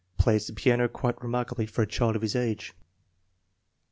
Plays the piano quite re markably for a child of his age.